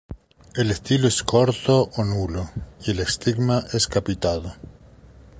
El estilo es corto o nulo y el estigma es capitado.